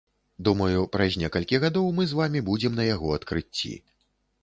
Думаю, праз некалькі гадоў мы з вамі будзем на яго адкрыцці.